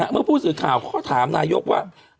เมื่อผู้สื่อข่าวเขาก็ถามนายกว่า